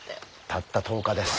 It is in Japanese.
たった１０日です。